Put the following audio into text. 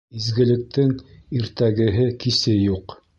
Изгелектең иртәгеһе-кисе юҡ.